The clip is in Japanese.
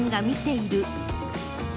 見ている